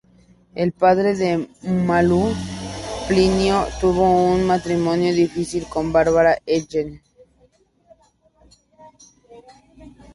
El padre de Malu, Plinio, tuvo un matrimonio difícil con Bárbara Ellen.